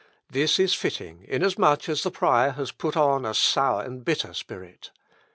This is fitting, inasmuch as the prior has put on a sour and bitter spirit.